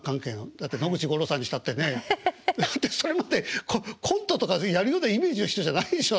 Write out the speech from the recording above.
だって野口五郎さんにしたってねだってそれまでコントとかやるようなイメージの人じゃないでしょだって。